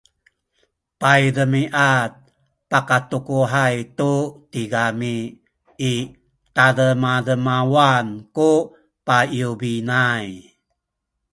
paydemiad pakatukuhay tu tigami i tademademawan ku payubinay